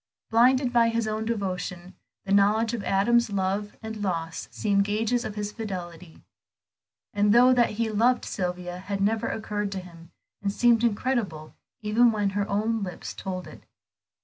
Blinded by his own devotion, the knowledge of Adam's love and loss seemed gages of his fidelity; the thought that he loved Sylvia never had occurred to him, and seemed incredible even when her own lips told it.